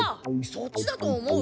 そっちだと思う。